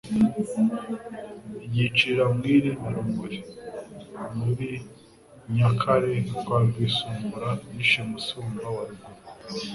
Yicira Mwiri na Rumuri.Muri Nyakare kwa RwisumburaYishe Musumba wa Ruguru